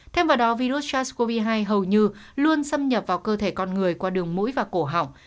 thêm vào đó virus sars cov hai hầu như luôn xâm nhập vào cơ thể con người qua đường mũi và cổ hỏng